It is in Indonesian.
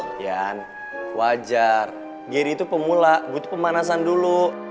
gian wajar gary tuh pemula gue tuh pemanasan dulu